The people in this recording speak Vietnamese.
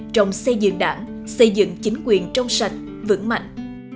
trong xây dựng đảng xây dựng chính quyền trong sạch vững mạnh